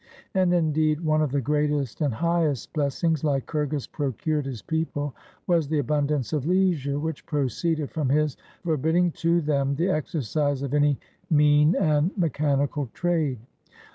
And indeed one of the greatest and highest blessings Lycurgus procured his people was the abundance of leisure which proceeded from his forbidding to them the exercise of any mean and mechanical trade.